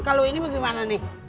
kalau ini bagaimana nih